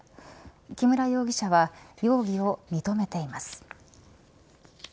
木村容疑者は容疑を認めています。